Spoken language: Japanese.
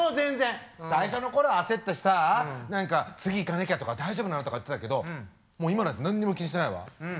最初のころは焦ったしさ何か次いかなきゃとか大丈夫なの？とか言ってたけどもう今なんて何にも気にしないわ。